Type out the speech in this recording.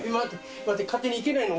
待って勝手に行けないの。